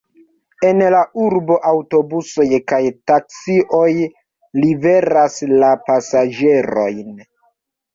En la urbo aŭtobusoj kaj taksioj liveras la pasaĝerojn.